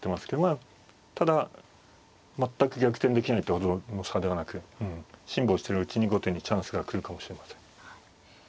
あただ全く逆転できないってほどの差ではなく辛抱してるうちに後手にチャンスが来るかもしれません。